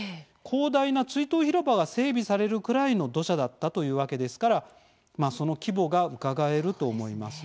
広大な追悼広場が整備されるくらいの土砂だったというわけですからその規模がうかがえると思います。